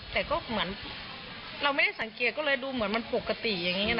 แต่ก็เหมือนเราไม่ได้สังเกตก็เลยดูเหมือนมันปกติ